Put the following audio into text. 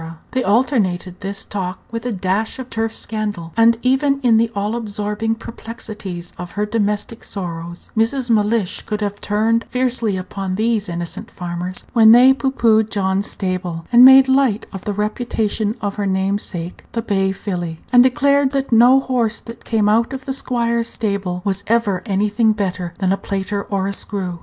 They alternated this talk with a dash of turf scandal; and even in the all absorbing perplexities of her domestic sorrows Mrs. Mellish could have turned fiercely upon these innocent farmers when they pooh poohed John's stable, and made light of the reputation of her namesake the bay filly, and declared that no horse that came out of the squire's stables was ever anything better than a plater or a screw.